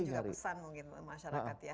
itu juga pesan mungkin masyarakat ya